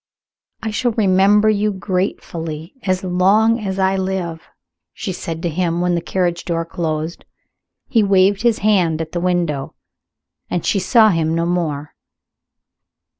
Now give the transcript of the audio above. "I shall remember you gratefully as long as I live," she said to him when the carriage door was closed. He waved his hand at the window, and she saw him no more.